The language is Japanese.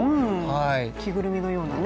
着ぐるみのようなね。